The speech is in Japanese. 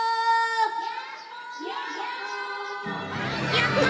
やった！